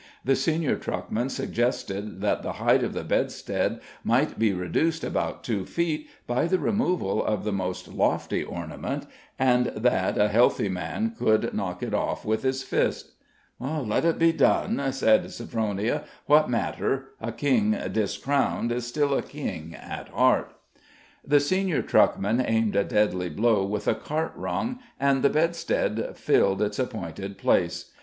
The senior truckman suggested that the height of the bedstead might be reduced about two feet by the removal of the most lofty ornament, and that a healthy man could knock it off with his fist. "Let it be done," said Sophronia. "What matter? A king discrowned is still a king at heart." The senior truckman aimed a deadly blow with a cart rung, and the bedstead filled its appointed place.